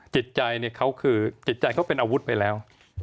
จิตใจเขาเป็นอาวุธไปแล้ว